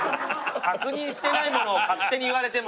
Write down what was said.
確認してないものを勝手に言われても。